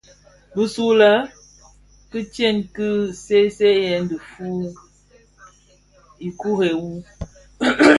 Bisulè kitsen ki seeseeyèn dhifuu ikure wu.